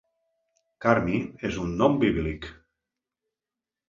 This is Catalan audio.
Carmi és un nom bíblic.